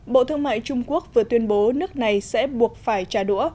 bộ thương mại trung quốc vừa tuyên bố nước này sẽ buộc phải trả đũa